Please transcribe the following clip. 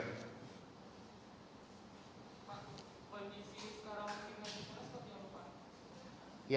pak kondisi sekarang lebih mudah atau lebih lupa